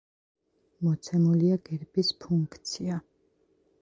მოცემულია გერბის ფუნქცია.